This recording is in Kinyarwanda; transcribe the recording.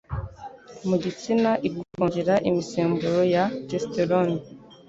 mu gitsina ikongera imisemburo ya Testosterone